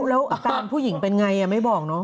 แล้วอาจารย์ผู้หญิงเป็นอย่างไรไม่บอกนะ